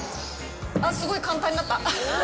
あっ、すごい、簡単になった。